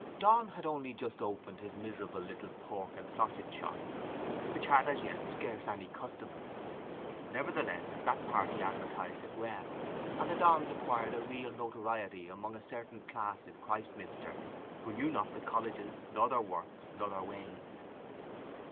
Donn had only just opened his miserable little pork and sausage shop, which had as yet scarce any customers; nevertheless that party advertised it well, and the Donns acquired a real notoriety among a certain class in Christminster who knew not the colleges, nor their works, nor their ways.